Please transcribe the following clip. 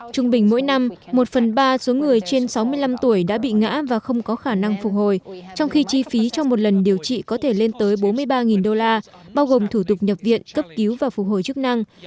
trung bình mỗi năm một phần ba số người trên sáu mươi năm tuổi đã bị ngã và không có khả năng phục hồi trong khi chi phí trong một lần điều trị có thể lên tới bốn mươi ba đô la bao gồm thủ tục nhập viện cấp cứu và phục hồi chức năng